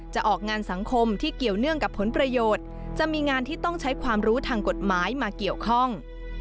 จะออกงานสังคมที่เกี่ยวเนื่องกับผลประโยชน์จะมีงานที่ต้องใช้ความรู้ทางกฎหมายมาเกี่ยวข้อง